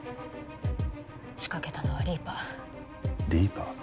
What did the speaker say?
仕掛けたのはリーパーリーパー？